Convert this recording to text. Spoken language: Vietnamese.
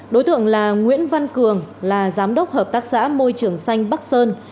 đối tượng là nguyễn văn cường là giám đốc hợp tác xã môi trường xanh bắc sơn